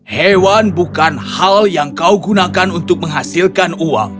hewan bukan hal yang kau gunakan untuk menghasilkan uang